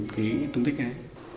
cái tương tích này